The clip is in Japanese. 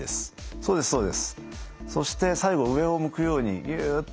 そうですそうです。